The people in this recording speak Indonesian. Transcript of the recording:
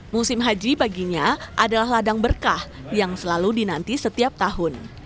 musim haji baginya adalah ladang berkah yang selalu dinanti setiap tahun